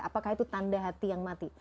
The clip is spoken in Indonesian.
apakah itu tanda hati yang mati